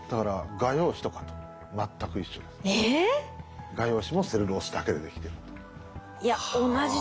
画用紙もセルロースだけでできてるんで。